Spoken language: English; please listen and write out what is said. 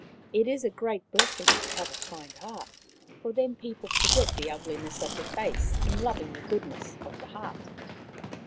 It is a great blessing to have a kind heart, for then people forget the ugliness of the face in loving the goodness of the heart.